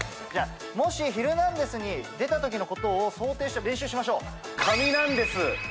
もし『ヒルナンデス！』に出た時のことを想定して練習しましょう。